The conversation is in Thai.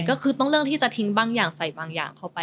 ก็คือต้องเลือกที่จะทิ้งบางอย่างใส่บางอย่างเข้าไป